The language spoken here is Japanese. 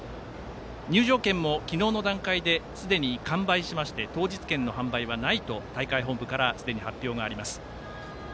入場券も昨日の段階ですでに完売しまして当日券の販売はないと大会本部からすでに発表があります。